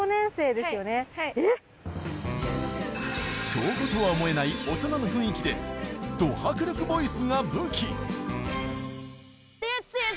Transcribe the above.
小５とは思えない大人の雰囲気でど迫力ボイスが武器。